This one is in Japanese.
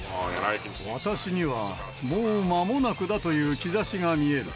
私にはもう間もなくだという兆しが見える。